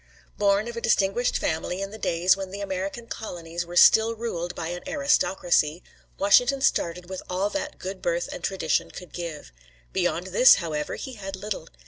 Born of a distinguished family in the days when the American colonies were still ruled by an aristocracy, Washington started with all that good birth and tradition could give. Beyond this, however, he had little.